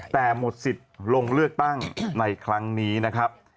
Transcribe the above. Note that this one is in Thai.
แต่หมดสิทธิ์ลงเลือกตั้งในครั้งนี้นะครับ